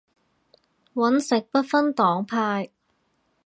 搵食不分黨派